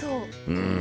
うん。